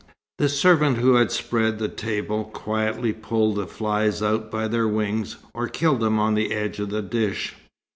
The servant who had spread the table, quietly pulled the flies out by their wings, or killed them on the edge of the dish.